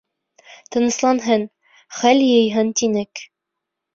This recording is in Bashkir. Тынысланһын, хәл йыйһын, тинек.